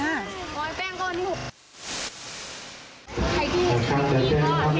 อันนี้ดูเลขกันไหมเพราะมันดูเลขถึงกันนะ